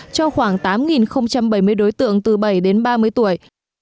cho khoảng tám bảy mươi đối tượng từ bảy đến ba mươi tuổi